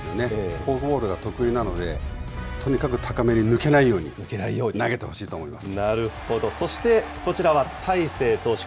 フォークボールが得意なので、とにかく高めに抜けないように投げてほしいと思います。